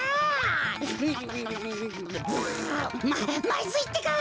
ままずいってか！